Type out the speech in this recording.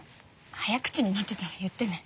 早口になってたら言ってね。